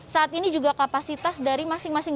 saat ini juga kapasitas dari masing masing